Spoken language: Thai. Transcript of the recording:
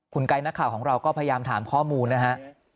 คุณไก๊นักข่าวของเราก็พยายามถามข้อมูลนะฮะ